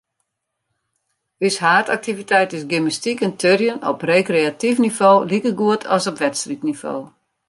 Us haadaktiviteit is gymnastyk en turnjen, op rekreatyf nivo likegoed as op wedstriidnivo.